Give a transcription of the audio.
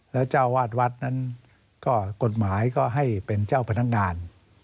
แล้วเจ้าวาดวัดนั้นก็กฎหมายก็ให้เป็นเจ้าพนักงาน